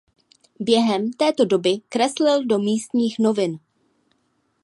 Během této doby kreslil do místních novin.